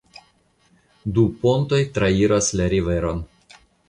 Du pontoj trairas la riveron.